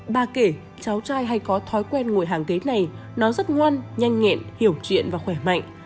ba kể cháu trai hay có thói quen ngồi hàng ghế này nó rất ngoan nhanh nhẹn hiểu chuyện và khỏe mạnh